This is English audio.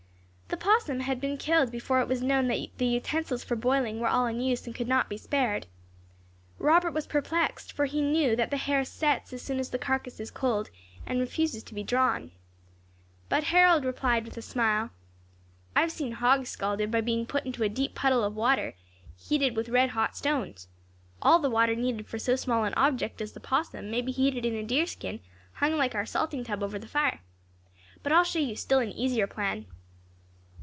The opossum had been killed before it was known that the utensils for boiling were all in use and could not be spared. Robert was perplexed, for he knew that the hair "sets" as soon as the carcass is cold, and refuses to be drawn. But Harold replied with a smile, "I have seen hogs scalded by being put into a deep puddle of water heated with red hot stones. All the water needed for so small an object as the opossum may be heated in a deer skin, hung like our salting tub over the fire. But I will show you a still easier plan."